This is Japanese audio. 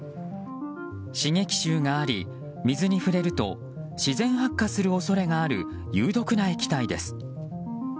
刺激臭があり、水に触れると自然発火する恐れがある有毒な液体です。